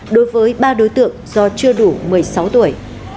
đối với ba đối tượng do chưa đủ một mươi sáu tuổi